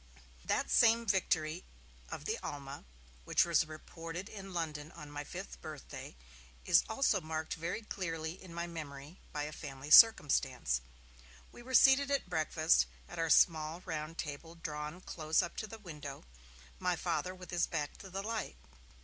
That same victory of the Alma, which was reported in London on my fifth birthday, is also marked very clearly in my memory by a family circumstance. We were seated at breakfast, at our small round table drawn close up to the window, my Father with his back to the light.